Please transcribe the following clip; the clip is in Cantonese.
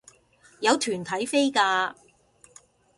有團體飛價